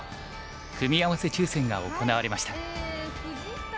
組み合わせ抽選が行われました。